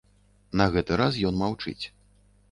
На гэты раз ён маўчыць.